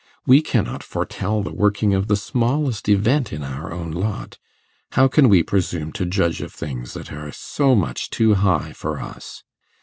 We cannot foretell the working of the smallest event in our own lot; how can we presume to judge of things that are so much too high for us?